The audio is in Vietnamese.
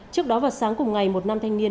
trước đó vào sáng cùng ngày một nam thanh niên